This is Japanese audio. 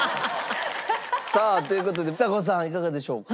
さあという事でちさ子さんいかがでしょうか？